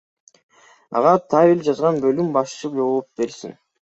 Ага табель жазган бөлүм башчы жооп берсин.